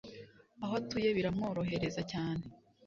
aho atuye biramworohereza cyane